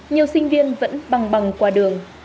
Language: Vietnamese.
nhiều sinh viên vẫn băng băng qua đường